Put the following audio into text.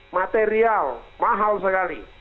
material mahal sekali